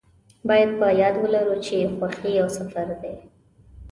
باید په یاد ولرو چې خوښي یو سفر دی.